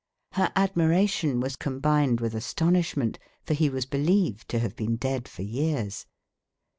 Her admiration was combined with astonishment, for he was believed to have been dead for years.